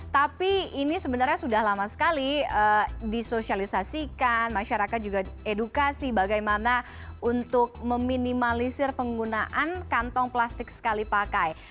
tapi ini sebenarnya sudah lama sekali disosialisasikan masyarakat juga edukasi bagaimana untuk meminimalisir penggunaan kantong plastik sekali pakai